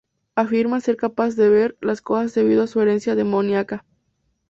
Afirma ser capaz de "ver" las cosas debido a su herencia demoníaca.